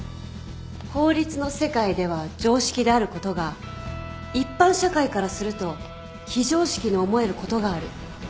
法律の世界では常識であることが一般社会からすると非常識に思えることがある。